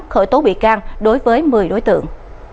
khởi tố bị can đối với một mươi đối tượng